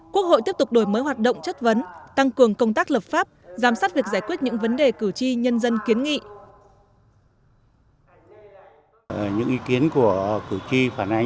quốc hội tiếp tục đổi mới hoạt động chất vấn tăng cường công tác lập pháp giám sát việc giải quyết những vấn đề cử tri nhân dân kiến nghị